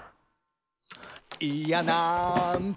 「いやなんと」